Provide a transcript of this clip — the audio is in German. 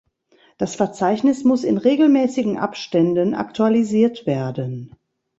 Das Verzeichnis muss in regelmäßigen Abständen aktualisiert werden.